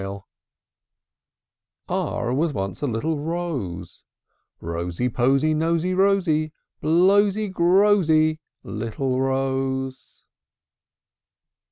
R r R was once a little rose, Rosy, Posy, Nosy, Rosy, Blows y, grows y, Little rose!